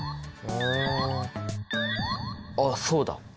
あっそうだ！